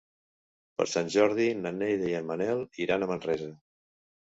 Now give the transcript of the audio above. Per Sant Jordi na Neida i en Manel iran a Manresa.